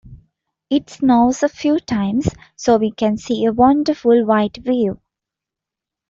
It snows a few times, so we can see a wonderful white view.